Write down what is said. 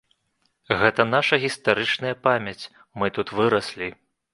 Гэта наша гістарычная памяць, мы тут выраслі.